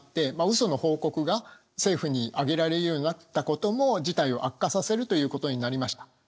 その報告が政府に上げられるようになったことも事態を悪化させるということになりました。